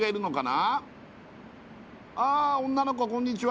あ女の子こんにちは